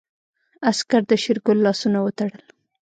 عسکر د شېرګل لاسونه وتړل.